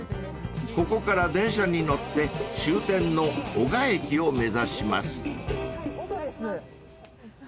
［ここから電車に乗って終点の男鹿駅を目指します］